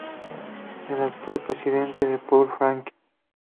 El actual presidente es Paul Franklin.